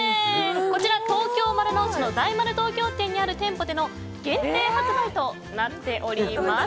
こちら東京・丸の内の大丸東京店にある店舗での限定発売となっております。